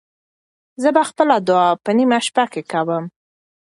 زه به خپله دعا په نیمه شپه کې کوم.